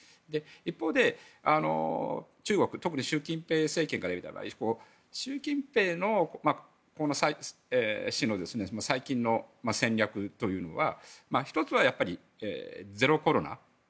一方で中国特に習近平政権からいうと習近平の最近の戦略というのは１つはやっぱり、ゼロコロナ。